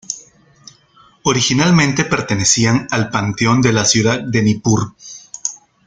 Originalmente pertenecían al panteón de la ciudad de Nippur.